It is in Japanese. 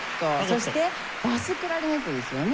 そしてバスクラリネットですよね。